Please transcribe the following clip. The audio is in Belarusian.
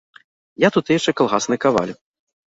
Я тутэйшы калгасны каваль.